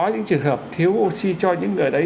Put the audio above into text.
những trường hợp thiếu oxy cho những người đấy